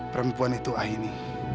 perempuan itu aini